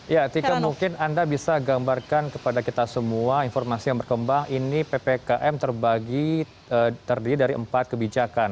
ya tika mungkin anda bisa gambarkan kepada kita semua informasi yang berkembang ini ppkm terbagi terdiri dari empat kebijakan